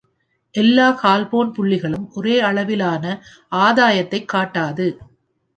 எல்லா ஹால்ஃபோன் புள்ளிகளும் ஒரே அளவிலான ஆதாயத்தைக் காட்டாது.